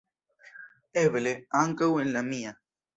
Eble, ankaŭ en la mia.